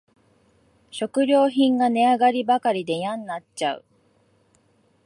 食料品が値上がりばかりでやんなっちゃう